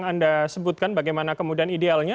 sudah saya sebutkan bagaimana kemudahan idealnya